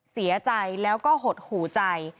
เสียใจแล้วก็หดหูใจ